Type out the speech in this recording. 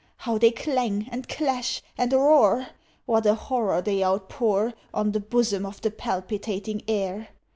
How they clang, and clash, and roar! What a horror they outpour On the bosom of the palpitating air!